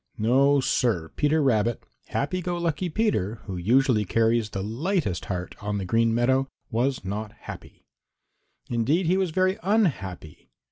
No, Sir, Peter Rabbit, happy go lucky Peter, who usually carries the lightest heart on the Green Meadows, was not happy. Indeed, he was very unhappy.